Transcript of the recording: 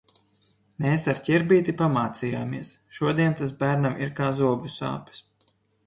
Mēs ar ar Ķirbīti pamācījāmies, šodien tas bērnam ir kā zobu sāpes.